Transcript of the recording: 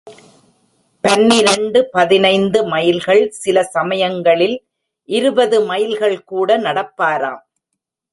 பன்னிரண்டு, பதினைந்து மைல்கள், சில சமயங்களில் இருபது மைல்கள் கூட நடப்பாராம்.